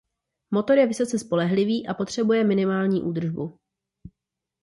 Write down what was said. Motor je vysoce spolehlivý a potřebuje minimální údržbu.